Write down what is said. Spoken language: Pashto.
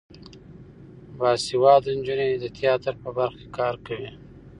باسواده نجونې د تیاتر په برخه کې کار کوي.